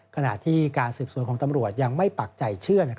ขณะที่การสืบสวนของตำรวจยังไม่ปักใจเชื่อ